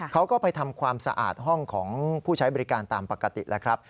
เขาก็ไปทำความสะอาดห้องของผู้ใช้บริการตามปกติแล้วครับ